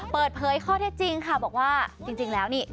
เปิดเผยข้อเท็จจริงค่ะบอกว่าจริงแล้วนี่